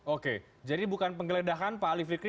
oke jadi bukan penggeledahan pak ali fikri